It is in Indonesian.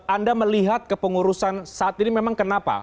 anda melihat kepengurusan saat ini memang kenapa